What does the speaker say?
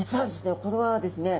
これはですね